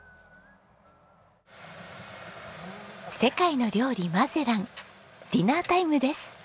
世界の料理マゼランディナータイムです。